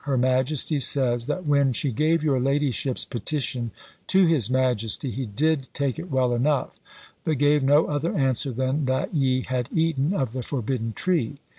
Her majesty says, that when she gave your ladyship's petition to his majesty, he did take it well enough, but gave no other answer than that ye had eaten of the forbidden tree.